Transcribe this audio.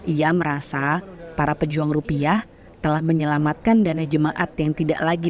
ia merasa para pejuang rupiah telah menyelamatkan dana jemaat yang tidak lagi